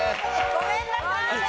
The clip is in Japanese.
ごめんなさい！